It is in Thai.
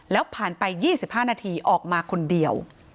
แล้วผ่านไป๒๕นาทีออกมาคนเดียว